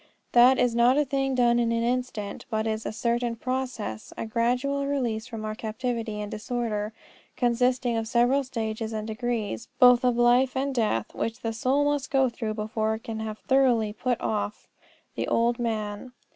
That is not a thing done in an instant, but is a certain process, a gradual release from our captivity and disorder, consisting of several stages and degrees, both of life and death, which the soul must go through before it can have thoroughly put off the old man.